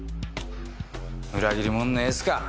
裏切りもんのエスか。